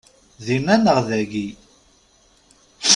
Dinna neɣ dagi?